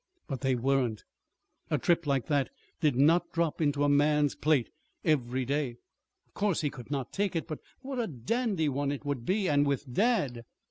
But they weren't! A trip like that did not drop into a man's plate every day. Of course he could not take it but what a dandy one it would be! And with dad